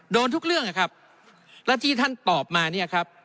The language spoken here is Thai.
โดนทุกเรื่องนะครับแล้วที่ท่านตอบมาเนี่ยครับ